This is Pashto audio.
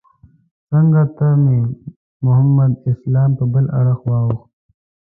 څنګ ته مې محمد اسلام په بل اړخ واوښت.